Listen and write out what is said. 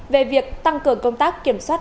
về việc tăng cường công tác kiểm soát